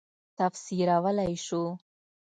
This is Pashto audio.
تفسیرولای شو.